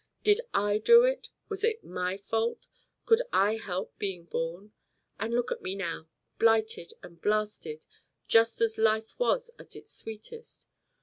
Did I do it? Was it my fault? Could I help being born? And look at me now, blighted and blasted, just as life was at its sweetest.